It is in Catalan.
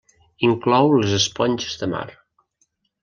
Inclou les esponges de mar.